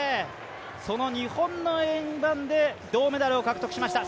その日本の円盤で銅メダルを獲得しました